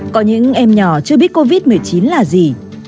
có những em nhỏ chưa biết covid một mươi chín là gì